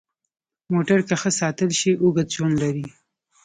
موټر که ښه ساتل شي، اوږد ژوند لري.